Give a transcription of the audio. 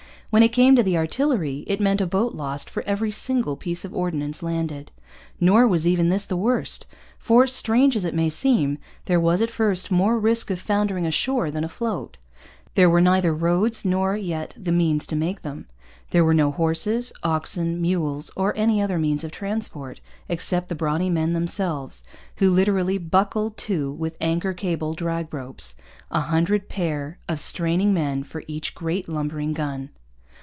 When it came to the artillery, it meant a boat lost for every single piece of ordnance landed. Nor was even this the worst; for, strange as it may seem, there was, at first, more risk of foundering ashore than afloat. There were neither roads nor yet the means to make them. There were no horses, oxen, mules, or any other means of transport, except the brawny men themselves, who literally buckled to with anchor cable drag ropes a hundred pair of straining men for each great, lumbering gun.